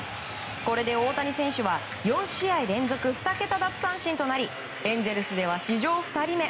これで大谷選手は４試合連続２桁奪三振となりエンゼルスでは史上２人目